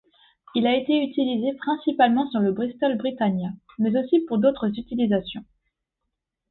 Il a été utilisé principalement sur le Bristol Britannia, mais aussi pour d'autres utilisations.